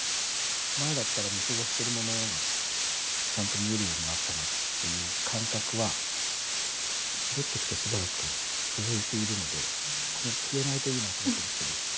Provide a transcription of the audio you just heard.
前だったら見過ごしているものがちゃんと見えるようになったなという感覚は戻ってきてしばらく続いているのでこれが消えないといいなと思ってるんですけど。